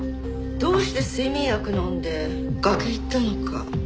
どうして睡眠薬を飲んで崖行ったのか。